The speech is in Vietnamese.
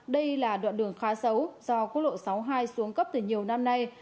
đây là đoạn đường khá xấu do quốc lộ sáu mươi hai xuống cấp từ nhiều năm nay